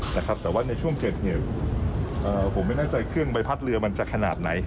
แต่ว่าในช่วงเกิดเหตุผมไม่แน่ใจเครื่องใบพัดเรือมันจะขนาดไหน